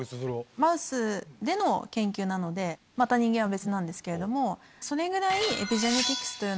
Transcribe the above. マウスでの研究なのでまた人間は別なんですけれどもそれぐらい。